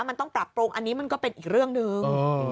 มันต้องปรับปรุงอันนี้มันก็เป็นอีกเรื่องหนึ่ง